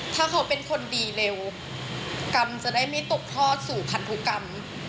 ถ้าเขาเป็นคนดีเร็วกรรมจะได้ไม่ตกทอดสู่พันธุกรรม